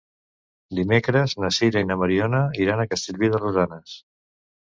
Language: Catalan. Dimecres na Sira i na Mariona iran a Castellví de Rosanes.